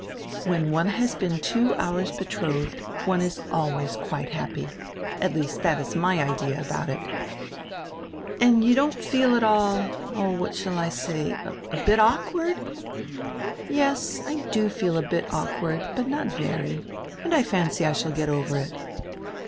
"When one has been two hours betrodied, one is always quite happy. At least, diat is my idea about it." "And don't you feel at all — oh, what shall I say? — a bit awkward? " "Yes, I do feel a bit awkward, but not very. And I fancy I shall get over it."